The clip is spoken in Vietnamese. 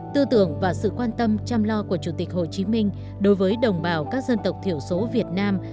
tư tưởng và sự quan tâm chăm lo của chủ tịch hồ chí minh đối với đồng bào các dân tộc thiểu số việt nam